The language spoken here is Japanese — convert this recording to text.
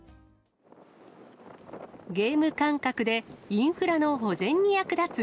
ゲーム感覚でインフラの保全に役立つ